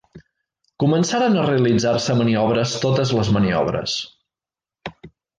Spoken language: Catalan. Començaren a realitzar-se maniobres totes les maniobres.